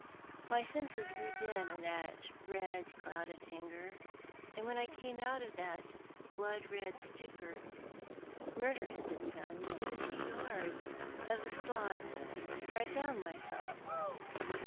My senses grew dim in that red cloud of anger, and when I came out of that blood red stupor, murder had been done within a few yards of the spot where I found myself.